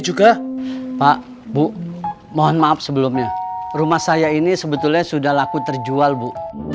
juga pak bu mohon maaf sebelumnya rumah saya ini sebetulnya sudah laku terjual bu